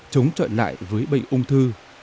chống trọn lại với bệnh ung thư